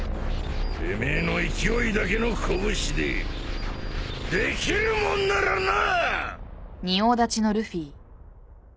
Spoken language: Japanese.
てめえの勢いだけの拳でできるもんならな！